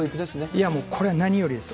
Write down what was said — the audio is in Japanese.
いやもう、これは何よりです。